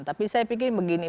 tapi saya pikir begini